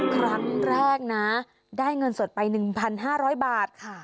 ครั้งแรกนะได้เงินสดไป๑๕๐๐บาท